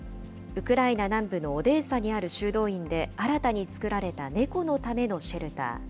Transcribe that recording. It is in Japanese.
ウクライナ南部のオデーサにある修道院で、新たに作られた猫のためのシェルター。